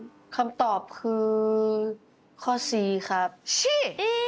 Ｃ